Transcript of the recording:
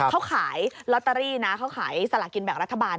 เขาขายลอตเตอรี่นะเขาขายสลากินแบ่งรัฐบาล